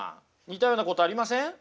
似たようなことありません？